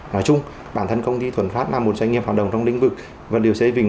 nói chung bản thân công ty thuần phát là một doanh nghiệp hoạt động trong lĩnh vực vật liệu xếp hình